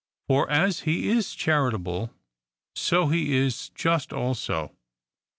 For, as he is charitable, so he is just also.